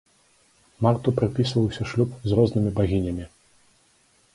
Марту прыпісваўся шлюб з рознымі багінямі.